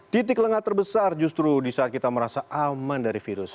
titik lengah terbesar justru di saat kita merasa aman dari virus